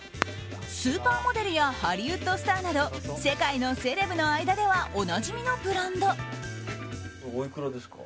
スーパーモデルやハリウッドスターなど世界のセレブの間ではおいくらですか。